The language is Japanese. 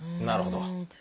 なるほど。